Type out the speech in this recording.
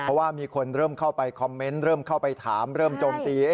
เพราะว่ามีคนเริ่มเข้าไปคอมเมนต์เริ่มเข้าไปถามเริ่มโจมตี